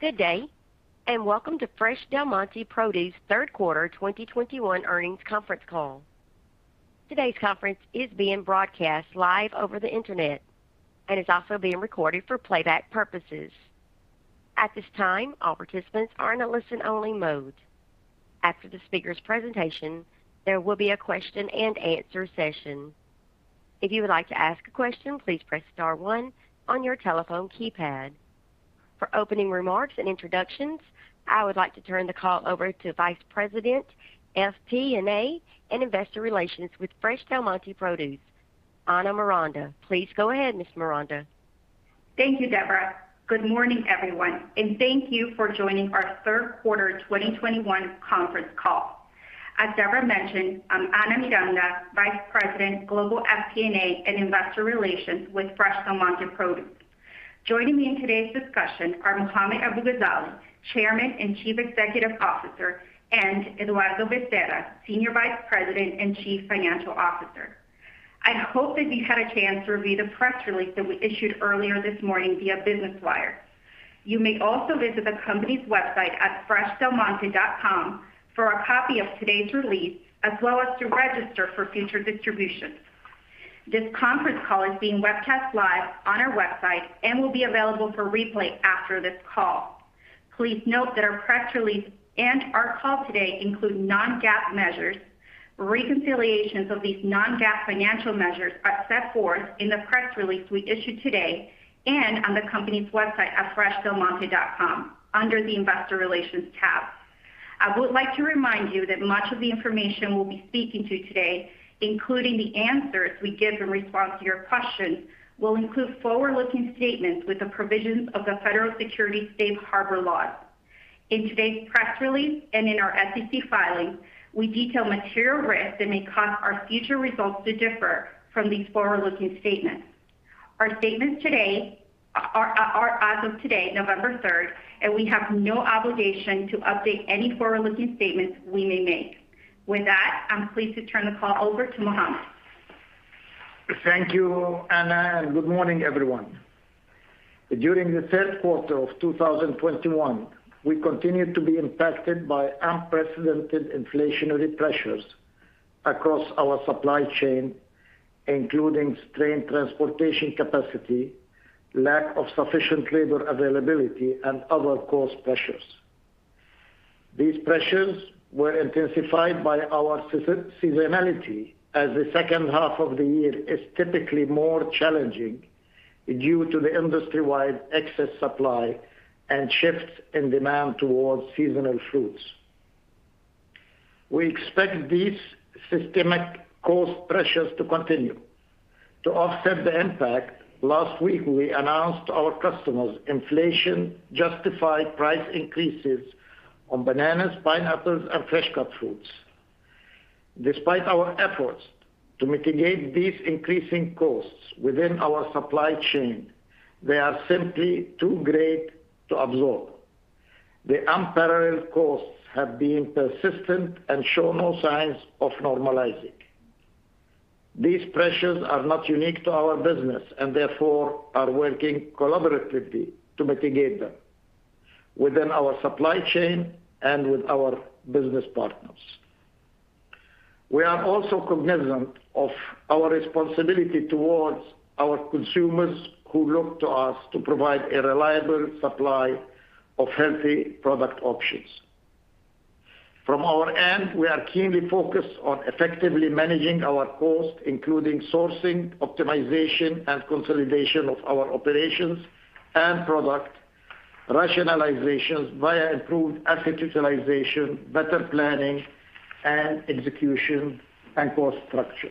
Good day, and welcome to Fresh Del Monte Produce Q3 2021 earnings conference call. Today's conference is being broadcast live over the Internet and is also being recorded for playback purposes. At this time, all participants are in a listen-only mode. After the speaker's presentation, there will be a question-and-answer session. If you would like to ask a question, please press star one on your telephone keypad. For opening remarks and introductions, I would like to turn the call over to Vice President, FP&A, and Investor Relations with Fresh Del Monte Produce, Ana Miranda. Please go ahead, Ms. Miranda. Thank you, Deborah. Good morning, everyone, and thank you for joining our Q3 2021 conference call. As Deborah mentioned, I'm Ana Miranda, Vice President, Global FP&A, and Investor Relations with Fresh Del Monte Produce. Joining me in today's discussion are Mohammad Abu-Ghazaleh, Chairman and Chief Executive Officer, and Eduardo Bezerra, Senior Vice President and Chief Financial Officer. I hope that you had a chance to review the press release that we issued earlier this morning via Business Wire. You may also visit the company's website at freshdelmonte.com for a copy of today's release, as well as to register for future distributions. This conference call is being webcast live on our website and will be available for replay after this call. Please note that our press release and our call today include non-GAAP measures. Reconciliations of these non-GAAP financial measures are set forth in the press release we issued today and on the company's website at freshdelmonte.com under the Investor Relations tab. I would like to remind you that much of the information we'll be speaking to today, including the answers we give in response to your questions, will include forward-looking statements with the provisions of the Federal Securities Safe Harbor laws. In today's press release and in our SEC filings, we detail material risks that may cause our future results to differ from these forward-looking statements. Our statements today are as of today, November third, and we have no obligation to update any forward-looking statements we may make. With that, I'm pleased to turn the call over to Mohammad. Thank you, Ana, and good morning, everyone. During the Q3 of 2021, we continued to be impacted by unprecedented inflationary pressures across our supply chain, including strained transportation capacity, lack of sufficient labor availability, and other cost pressures. These pressures were intensified by our seasonality, as the second half of the year is typically more challenging due to the industry-wide excess supply and shifts in demand towards seasonal fruits. We expect these systemic cost pressures to continue. To offset the impact, last week, we announced to our customers inflation-justified price increases on bananas, pineapples, and fresh cut fruits. Despite our efforts to mitigate these increasing costs within our supply chain, they are simply too great to absorb. The unparalleled costs have been persistent and show no signs of normalizing. These pressures are not unique to our business. Therefore we are working collaboratively to mitigate them within our supply chain and with our business partners. We are also cognizant of our responsibility towards our consumers who look to us to provide a reliable supply of healthy product options. From our end, we are keenly focused on effectively managing our cost, including sourcing, optimization, and consolidation of our operations and product rationalizations via improved asset utilization, better planning and execution, and cost structure.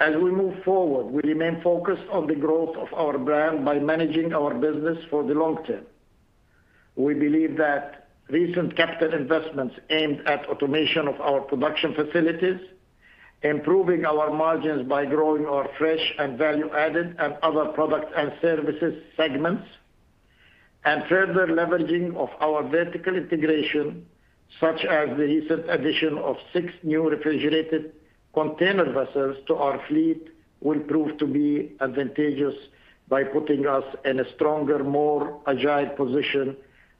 As we move forward, we remain focused on the growth of our brand by managing our business for the long term. We believe that recent capital investments aimed at automation of our production facilities, improving our margins by growing our Fresh and Value-Added Products and Other Products and Services segments, and further leveraging of our vertical integration, such as the recent addition of six new refrigerated container vessels to our fleet, will prove to be advantageous by putting us in a stronger, more agile position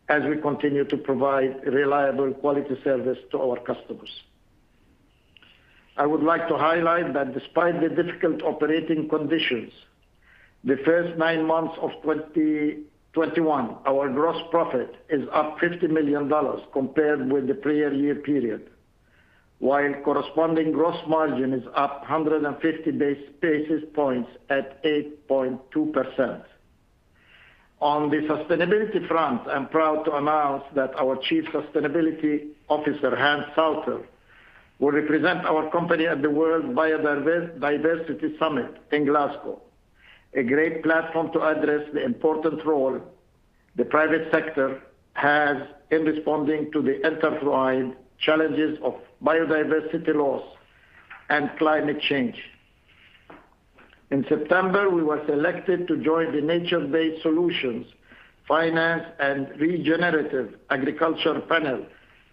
as we continue to provide reliable quality service to our customers. I would like to highlight that despite the difficult operating conditions, the first nine months of 2021, our gross profit is up $50 million compared with the prior year period, while corresponding gross margin is up 150 basis points at 8.2%. On the sustainability front, I'm proud to announce that our Chief Sustainability Officer, Hans Sauter, will represent our company at the World Biodiversity Summit in Glasgow, a great platform to address the important role the private sector has in responding to the intertwined challenges of biodiversity loss and climate change. In September, we were selected to join the Nature-based Solutions Finance and Regenerative Agriculture panel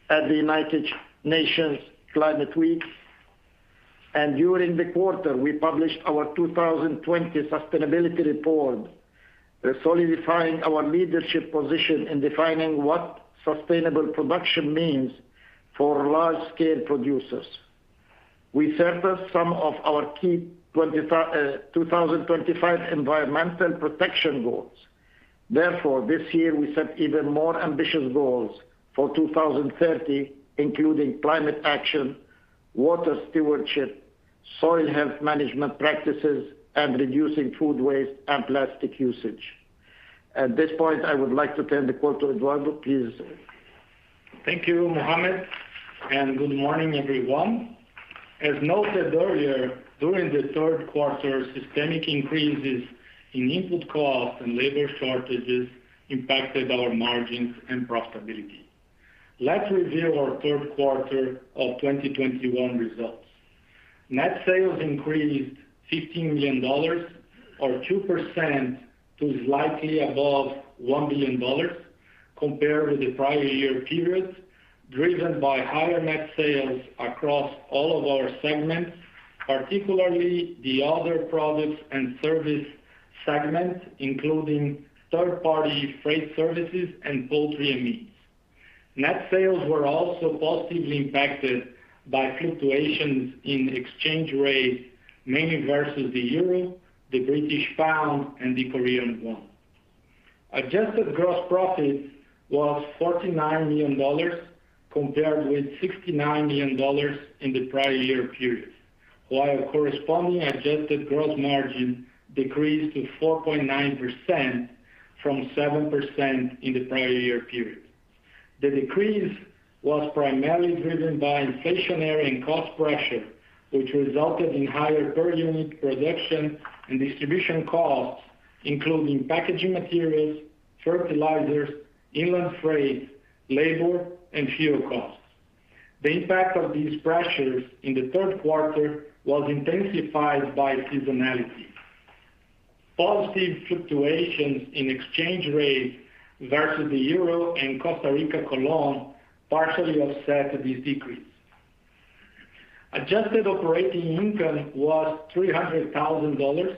at the United Nations Climate Week. During the quarter, we published our 2020 sustainability report, solidifying our leadership position in defining what sustainable production means for large scale producers. We set some of our key 2025 environmental protection goals. Therefore, this year we set even more ambitious goals for 2030, including climate action, water stewardship, soil health management practices, and reducing food waste and plastic usage. At this point, I would like to turn the call to Eduardo. Please. Thank you, Mohammad, and good morning, everyone. As noted earlier, during the Q3, systemic increases in input costs and labor shortages impacted our margins and profitability. Let's review our Q3 of 2021 results. Net sales increased $15 million or 2% to slightly above $1 billion compared with the prior year period, driven by higher net sales across all of our segments, particularly the Other Products and Services segments, including third-party freight services and poultry and meats. Net sales were also positively impacted by fluctuations in exchange rates, mainly versus the euro, the British pound, and the Korean won. Adjusted gross profit was $49 million compared with $69 million in the prior year period. While corresponding adjusted gross margin decreased to 4.9% from 7% in the prior year period. The decrease was primarily driven by inflationary and cost pressure, which resulted in higher per-unit production and distribution costs, including packaging materials, fertilizers, inland freight, labor, and fuel costs. The impact of these pressures in the Q3 was intensified by seasonality. Positive fluctuations in exchange rates versus the euro and Costa Rican colón partially offset this decrease. Adjusted operating income was $300,000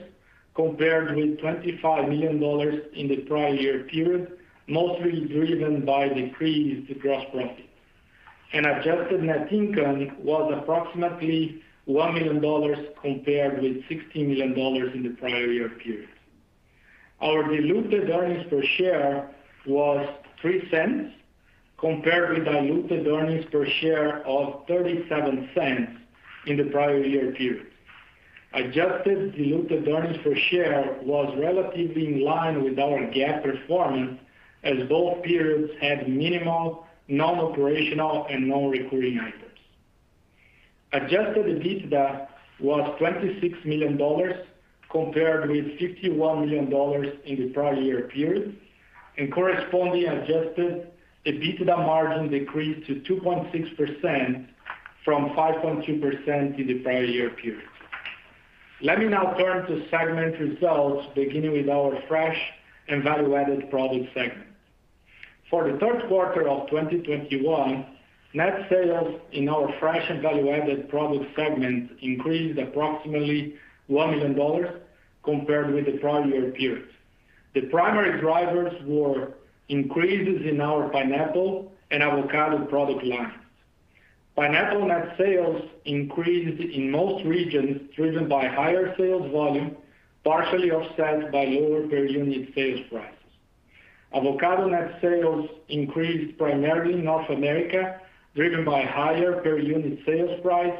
compared with $25 million in the prior year period, mostly driven by decreased gross profit. Adjusted net income was approximately $1 million compared with $60 million in the prior year period. Our diluted earnings per share was $0.03 compared with diluted earnings per share of $0.37 in the prior year period. Adjusted diluted earnings per share was relatively in line with our GAAP performance, as both periods had minimal non-operational and non-recurring items. Adjusted EBITDA was $26 million compared with $51 million in the prior year period, and corresponding Adjusted EBITDA margin decreased to 2.6% from 5.2% in the prior year period. Let me now turn to segment results, beginning with our Fresh and Value-Added Products segment. For the Q3 of 2021, net sales in our Fresh and Value-Added Products segment increased approximately $1 million compared with the prior year period. The primary drivers were increases in our pineapple and avocado product lines. Pineapple net sales increased in most regions driven by higher sales volume, partially offset by lower per-unit sales prices. Avocado net sales increased primarily in North America, driven by higher per-unit sales price,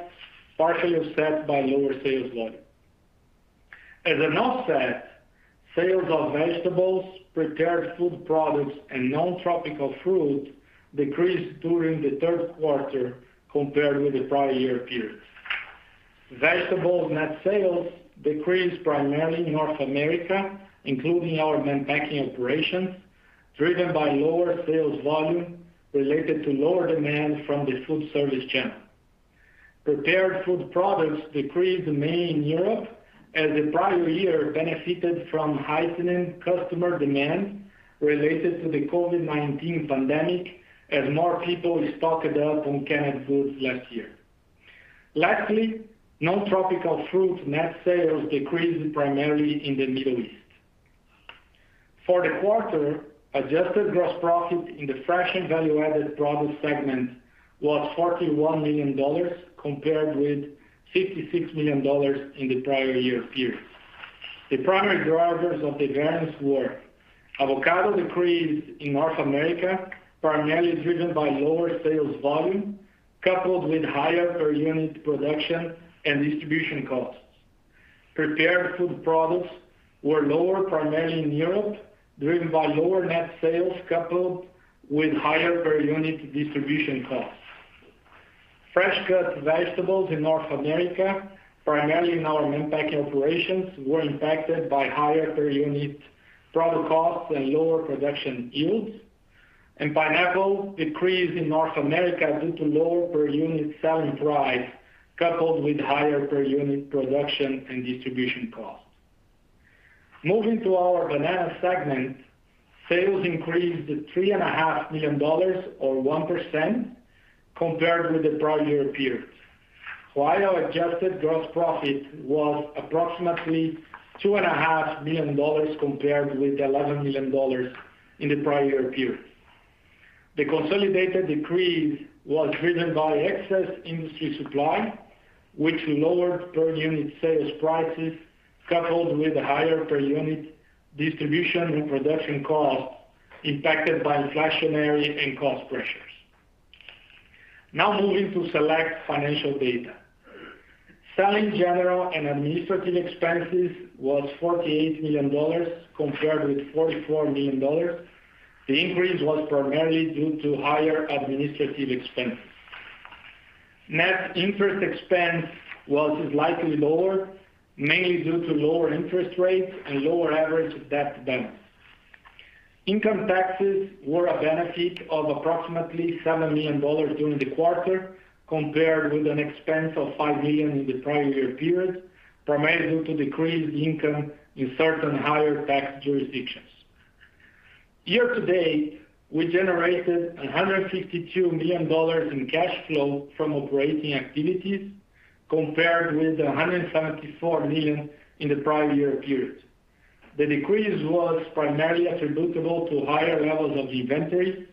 partially offset by lower sales volume. As an offset, sales of vegetables, prepared food products, and non-tropical fruit decreased during the Q3 compared with the prior year period. Vegetables net sales decreased primarily in North America, including our Mann Packing operations, driven by lower sales volume related to lower demand from the food service channel. Prepared food products decreased mainly in Europe as the prior year benefited from heightened customer demand related to the COVID-19 pandemic, as more people stocked up on canned foods last year. Lastly, non-tropical fruit net sales decreased primarily in the Middle East. For the quarter, adjusted gross profit in the Fresh and Value-Added Products segment was $41 million compared with $56 million in the prior year period. The primary drivers of the variance were avocados' decrease in North America, primarily driven by lower sales volume coupled with higher per-unit production and distribution costs. Prepared food products were lower primarily in Europe, driven by lower net sales coupled with higher per-unit distribution costs. Fresh cut vegetables in North America, primarily in our Mann Packing operations, were impacted by higher per-unit product costs and lower production yields. Pineapple decreased in North America due to lower per-unit selling price, coupled with higher per-unit production and distribution costs. Moving to our banana segment, sales increased to $3.5 million or 1% compared with the prior year period, while our adjusted gross profit was approximately $2.5 million compared with $11 million in the prior year period. The consolidated decrease was driven by excess industry supply, which lowered per unit sales prices, coupled with higher per unit distribution and production costs impacted by inflationary and cost pressures. Now moving to select financial data. Selling, general, and administrative expenses were $48 million compared with $44 million. The increase was primarily due to higher administrative expenses. Net interest expense was slightly lower, mainly due to lower interest rates and lower average debt balance. Income taxes were a benefit of approximately $7 million during the quarter, compared with an expense of $5 million in the prior year period, primarily due to decreased income in certain higher tax jurisdictions. Year to date, we generated $152 million in cash flow from operating activities compared with $174 million in the prior year period. The decrease was primarily attributable to higher levels of inventory,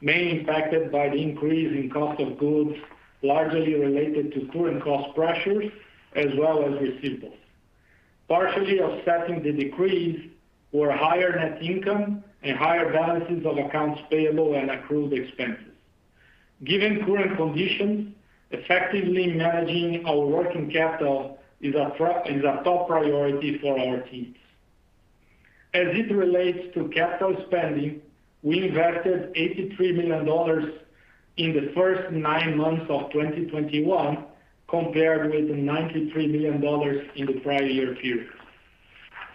mainly impacted by the increase in cost of goods, largely related to current cost pressures as well as receivables. Partially offsetting the decrease were higher net income and higher balances of accounts payable and accrued expenses. Given current conditions, effectively managing our working capital is a top priority for our teams. As it relates to capital spending, we invested $83 million in the first nine months of 2021, compared with $93 million in the prior year period.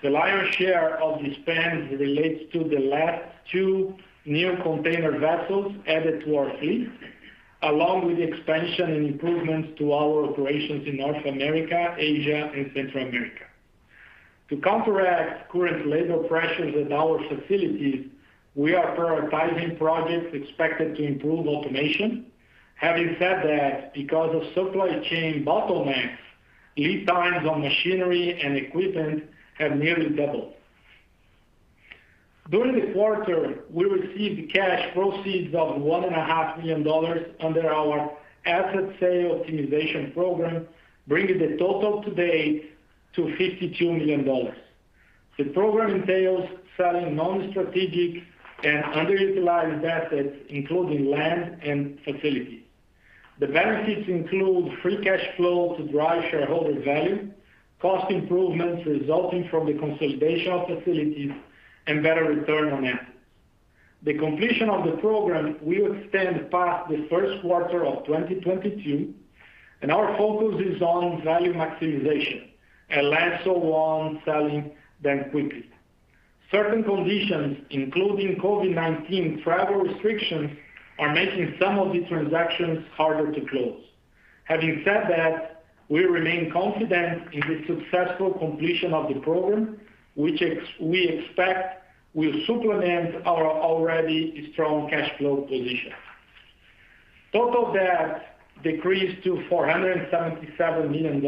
The lion's share of the spend relates to the last two new container vessels added to our fleet, along with the expansion and improvements to our operations in North America, Asia, and Central America. To counteract current labor pressures at our facilities, we are prioritizing projects expected to improve automation. Having said that, because of supply chain bottlenecks, lead times on machinery and equipment have nearly doubled. During the quarter, we received cash proceeds of $1.5 million under our asset sale optimization program, bringing the total to date to $52 million. The program entails selling non-strategic and underutilized assets, including land and facilities. The benefits include free cash flow to drive shareholder value, cost improvements resulting from the consolidation of facilities, and better return on assets. The completion of the program will extend past the Q1 of 2022, and our focus is on value maximization and less so on selling them quickly. Certain conditions, including COVID-19 travel restrictions, are making some of the transactions harder to close. Having said that, we remain confident in the successful completion of the program, which we expect will supplement our already strong cash flow position. Total debt decreased to $477 million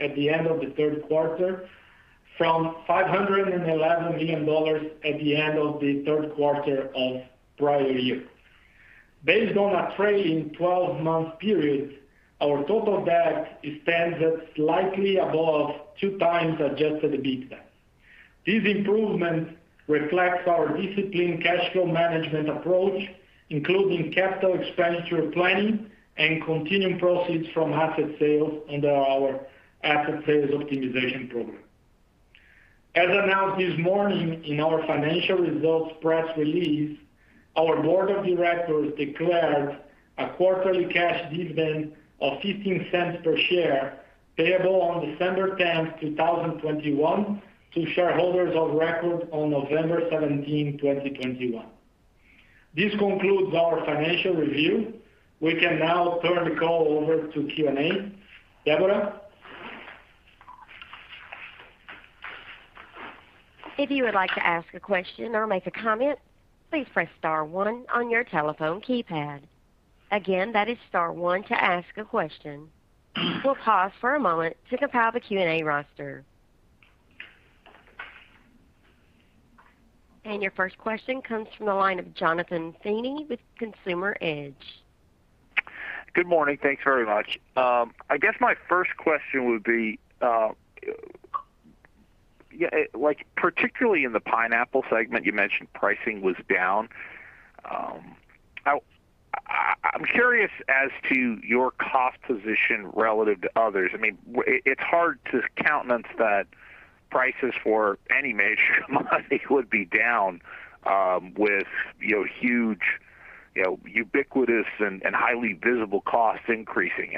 at the end of the Q3 from $511 million at the end of the Q3 of prior year. Based on a trailing twelve-month period, our total debt stands at slightly above two times Adjusted EBITDA. These improvements reflect our disciplined cash flow management approach, including capital expenditure planning and continuing proceeds from asset sales under our asset sales optimization program. As announced this morning in our financial results press release, our board of directors declared a quarterly cash dividend of $0.15 per share, payable on December 10, 2021 to shareholders of record on November 17, 2021. This concludes our financial review. We can now turn the call over to Q&A. Deborah? If you would like to ask a question or make a comment, please press star one on your telephone keypad. Again, that is star one to ask a question. We'll pause for a moment to compile the Q&A roster. Your first question comes from the line of Jonathan Feeney with Consumer Edge. Good morning. Thanks very much. I guess my first question would be, yeah, like particularly in the pineapple segment, you mentioned pricing was down. I'm curious as to your cost position relative to others. I mean, it's hard to countenance that prices for any major commodity would be down, with, you know, huge, you know, ubiquitous and highly visible costs increasing.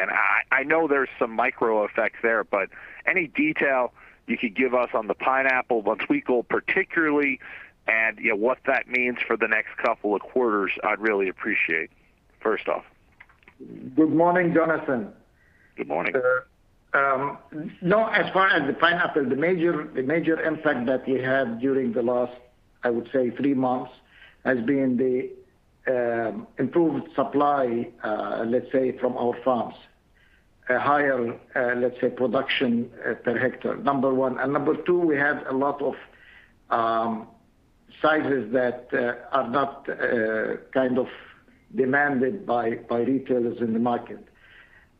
I know there's some micro effects there, but any detail you could give us on the pineapple, but twikle particularly and, you know, what that means for the next couple of quarters, I'd really appreciate, first off. Good morning, Jonathan. Good morning. No, as far as the pineapple, the major impact that we had during the last, I would say three months has been the improved supply, let's say from our farms. A higher, let's say, production per hectare, number one. Number two, we have a lot of sizes that are not kind of demanded by retailers in the market.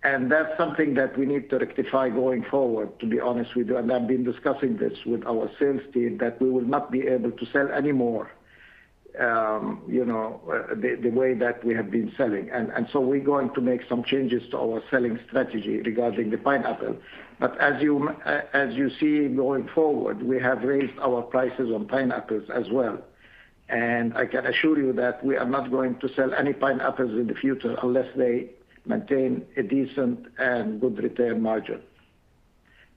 That's something that we need to rectify going forward, to be honest with you. I've been discussing this with our sales team that we will not be able to sell anymore, you know, the way that we have been selling. We're going to make some changes to our selling strategy regarding the pineapple. As you see going forward, we have raised our prices on pineapples as well. I can assure you that we are not going to sell any pineapples in the future unless they maintain a decent and good retail margin.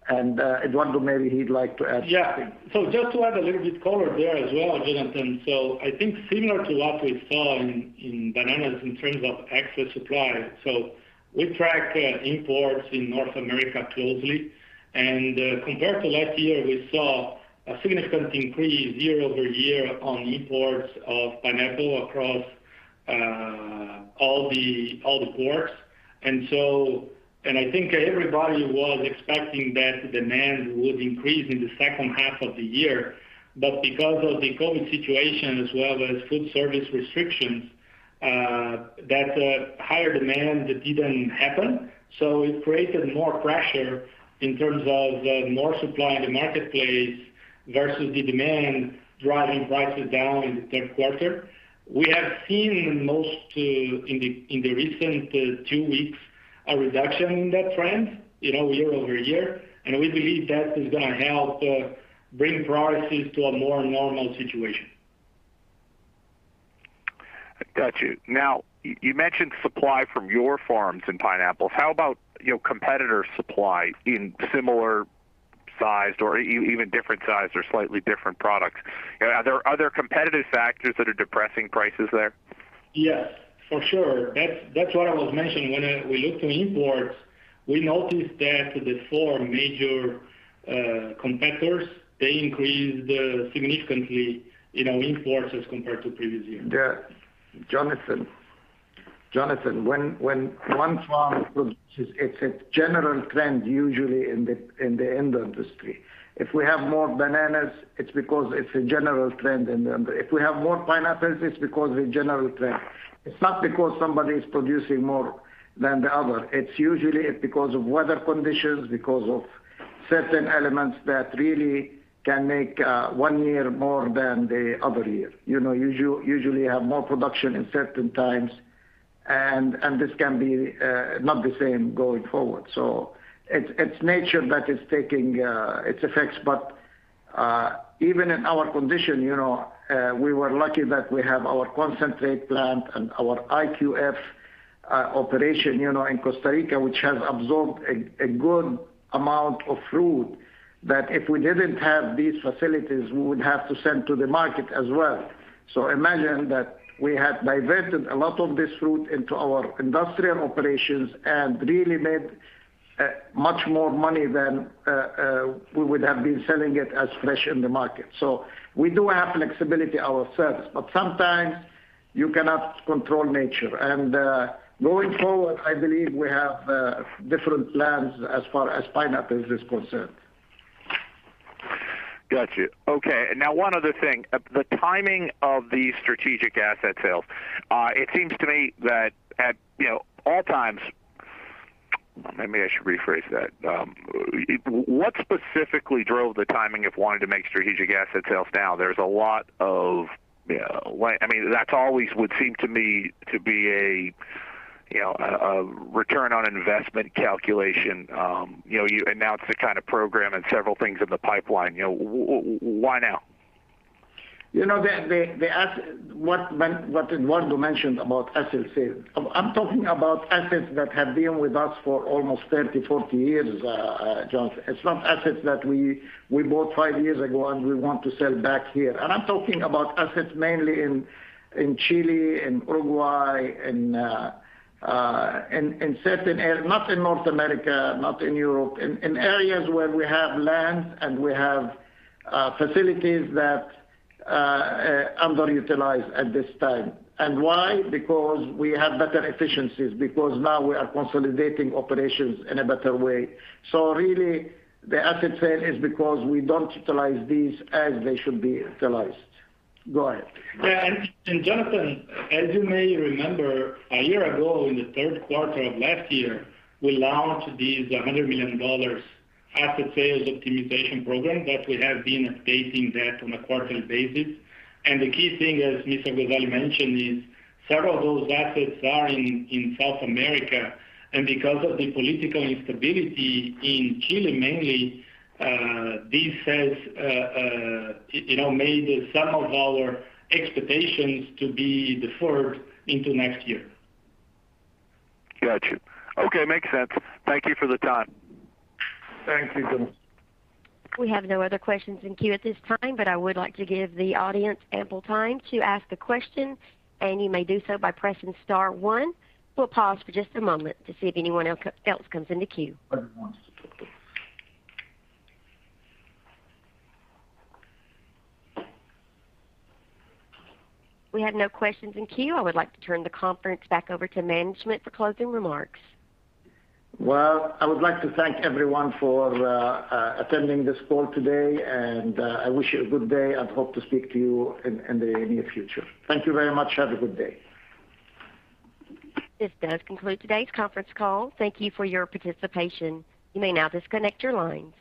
Eduardo, maybe he'd like to add something. Yeah. Just to add a little bit color there as well, Jonathan. I think similar to what we saw in bananas in terms of excess supply. We track imports in North America closely, and compared to last year, we saw a significant increase year-over-year on imports of pineapple across all the ports. I think everybody was expecting that demand would increase in the H2 of the year. Because of the COVID situation as well as food service restrictions, that higher demand that didn't happen. It created more pressure in terms of more supply in the marketplace versus the demand driving prices down in the Q3. We have seen mostly in the recent two weeks a reduction in that trend, you know, year-over-year. We believe that is gonna help bring prices to a more normal situation. Got you. Now, you mentioned supply from your farms in pineapples. How about, you know, competitor supply in similar sized or even different sized or slightly different products? Are there other competitive factors that are depressing prices there? Yes, for sure. That's what I was mentioning. When we look to imports, we noticed that the four major competitors, they increased significantly, you know, imports as compared to previous years. Yeah. Jonathan. When one farm produces, it's a general trend usually in the industry. If we have more bananas, it's because it's a general trend in the industry. If we have more pineapples, it's because of a general trend. It's not because somebody is producing more than the other. It's usually because of weather conditions, because of certain elements that really can make one year more than the other year. You know, usually have more production in certain times and this can be not the same going forward. It's nature that is taking its effects. Even in our condition, you know, we were lucky that we have our concentrate plant and our IQF operation, you know, in Costa Rica, which has absorbed a good amount of fruit. That if we didn't have these facilities, we would have to send to the market as well. Imagine that we have diverted a lot of this fruit into our industrial operations and really made much more money than we would have been selling it as fresh in the market. We do have flexibility ourselves, but sometimes you cannot control nature. Going forward, I believe we have different plans as far as pineapple is concerned. Got you. Okay. Now one other thing. The timing of the strategic asset sales. It seems to me that at, you know, all times. Maybe I should rephrase that. What specifically drove the timing of wanting to make strategic asset sales now? There's a lot of why. I mean, that's always would seem to me to be a, you know, a return on investment calculation. You know, you announced the kind of program and several things in the pipeline. You know, why now? You know, what Eduardo mentioned about asset sales. I'm talking about assets that have been with us for almost 30, 40 years, Jonathan. It's not assets that we bought five years ago, and we want to sell back here. I'm talking about assets mainly in Chile, in Uruguay, in certain areas not in North America, not in Europe. In areas where we have lands and we have facilities that are underutilized at this time. Why? Because we have better efficiencies, because now we are consolidating operations in a better way. Really, the asset sale is because we don't utilize these as they should be utilized. Go ahead. Jonathan, as you may remember, a year ago in the Q3 of last year, we launched these $100 million asset sales optimization program that we have been updating on a quarterly basis. The key thing, as Mr. Abu-Ghazaleh mentioned, is several of those assets are in South America. Because of the political instability in Chile mainly, this has made some of our expectations to be deferred into next year. Got you. Okay. Makes sense. Thank you for the time. Thank you, Jonathan. We have no other questions in queue at this time, but I would like to give the audience ample time to ask a question, and you may do so by pressing star one. We'll pause for just a moment to see if anyone else comes into queue. Other ones. We have no questions in queue. I would like to turn the conference back over to management for closing remarks. Well, I would like to thank everyone for attending this call today, and I wish you a good day and hope to speak to you in the near future. Thank you very much. Have a good day. This does conclude today's conference call. Thank you for your participation. You may now disconnect your lines.